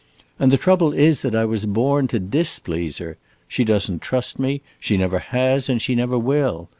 And the trouble is that I was born to displease her. She does n't trust me; she never has and she never will.